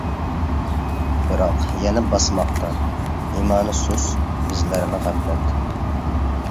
بىراق يەنە باسماقتا، ئىمانى سۇس بىزلەرنى غەپلەت.